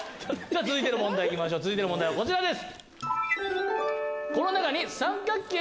続いての問題行きましょう続いての問題はこちらです。